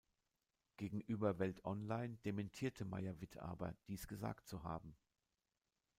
Gegenüber Welt Online dementierte Maier-Witt aber, dies gesagt zu haben.